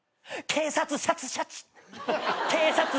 警察シャツシャチ。